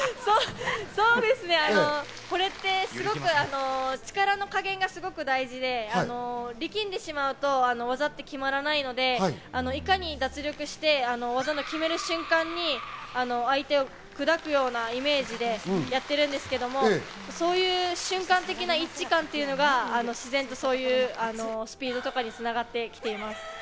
これってすごく力の加減が大事で、力んでしまうと技って決まらないので、いかに脱力して、技の決める瞬間に相手を砕くようなイメージでやってるんですけれども、そういう瞬間的な一致感がスピードにつながってきています。